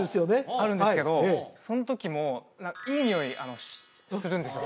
あるんですけどそのときもするんですよ